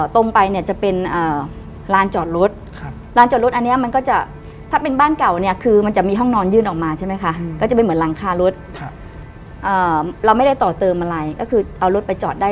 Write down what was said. ตรงไปจะเป็นลานจอดรถ